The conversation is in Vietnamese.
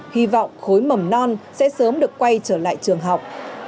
hy vọng khối mầm non sẽ sớm được quay trở lại trường học